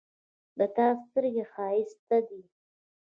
د تا سترګې ښایستې دي